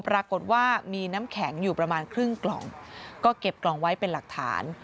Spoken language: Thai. ปรากฏว่ามีน้ำแข็งอยู่ประมาณครึ่งกล่องก็เก็บกล่องไว้เป็นหลักฐาน